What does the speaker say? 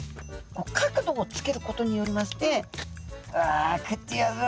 角度をつけることによりまして「うわ食ってやるぞ！